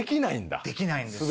できないんですよ。